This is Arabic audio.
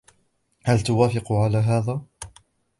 هل توافق على هذا؟